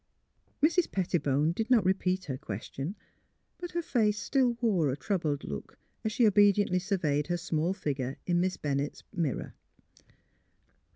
Mrs. Pettibone did not repeat her question ; but her face still wore a troubled look as she obedi ently surveyed her small figure in Miss Bennett's mirror.